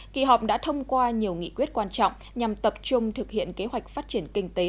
kỳ họp đã thông qua nhiều nghị quyết quan trọng nhằm tập trung thực hiện kế hoạch phát triển kinh tế